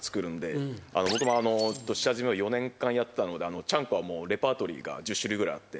僕も下積みを４年間やってたのでちゃんこはレパートリーが１０種類ぐらいあって。